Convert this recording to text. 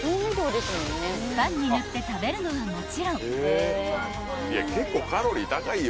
［パンに塗って食べるのはもちろん］